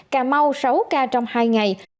cà mau sáu ca trong hai ngày